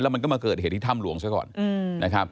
แล้วมันก็มาเกิดเหตุธรรมหลวงซะก่อน